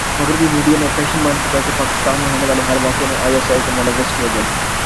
مغربی میڈیا میں فیشن بن چکا ہے کہ پاکستان میں ہونے والےہر واقعہ میں آئی ایس آئی کو ملوث کیا جاۓ